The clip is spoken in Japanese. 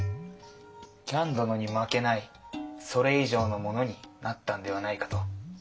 喜屋武殿に負けないそれ以上のものになったんではないかと。